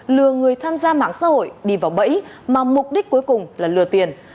lừa người tham gia mạng xã hội đi vào bẫy mà mục đích cuối cùng là lừa tiền